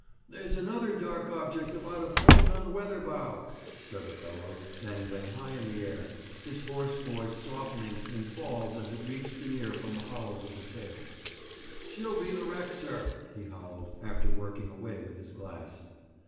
'There's another dark object about a point on the weather bow,' said the fellow dangling high in air, his hoarse voice softening in falls as it reached the ear from the hollows of the sails. 'She'll be the wreck, sir,' he howled, after working away with his glass.